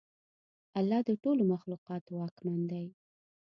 الله د ټولو مخلوقاتو واکمن دی.